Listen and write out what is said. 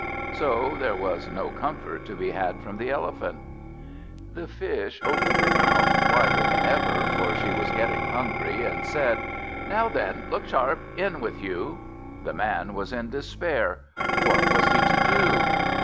So there was no comfort to be had from the Elephant. The Fish opened her mouth wider than ever, for she was getting hungry, and said, "Now then, look sharp in with you!" The Man was in despair. What was he to do?